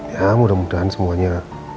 ya mudah mudahan semuanya